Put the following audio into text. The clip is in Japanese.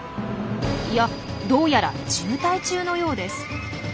いやどうやら渋滞中のようです。